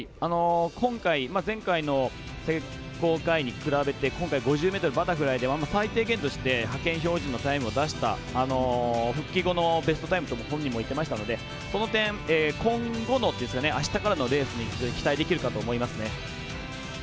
今回前回の選考会に比べて今回、５０ｍバタフライ最低限として派遣標準のタイムを出した復帰後のベストタイムと本人も言ってましたので、その点今後のというかあしたからのレースに期待できるかと思います。